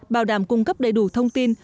bảo đảm cung cấp đầy đủ thông tin